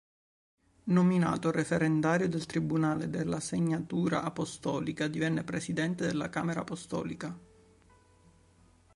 Nominato Referendario del Tribunale della Segnatura Apostolica, divenne Presidente della Camera Apostolica.